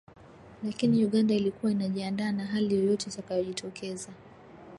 Lakini Uganda ilikuwa inajiandaa na hali yoyote itakayojitokeza.